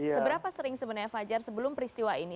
seberapa sering sebenarnya fajar sebelum peristiwa ini